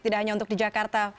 tidak hanya untuk di jakarta